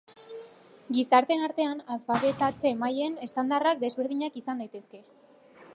Gizarteen artean, alfabetatze mailen estandarrak desberdinak izan daitezke.